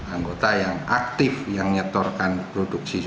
anggota yang aktif yang nyetorkan produksi